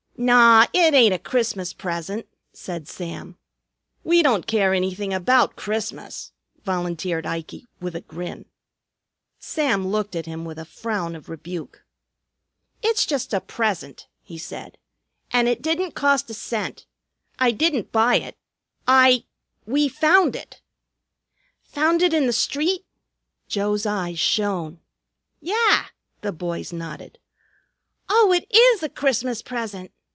"Naw! It ain't a Christmas present," said Sam. "We don't care anything about Christmas," volunteered Ikey with a grin. Sam looked at him with a frown of rebuke. "It's just a present," he said. "And it didn't cost a cent. I didn't buy it. I we found it!" "Found it in the street?" Joe's eyes shone. "Yah!" the boys nodded. "Oh, it is a Christmas present!"